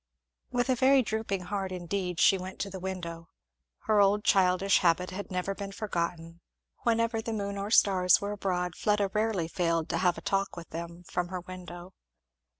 With a very drooping heart indeed she went to the window. Her old childish habit had never been forgotten; whenever the moon or the stars were abroad Fleda rarely failed to have a talk with them from her window.